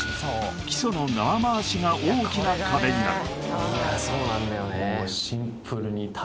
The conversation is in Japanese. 基礎の縄回しが大きな壁になる